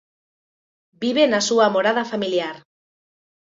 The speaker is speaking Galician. Vive na súa morada familiar.